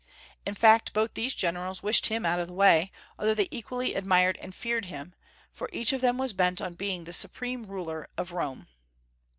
In fact, both these generals wished him out of the way, although they equally admired and feared him; for each of them was bent on being the supreme ruler of Rome.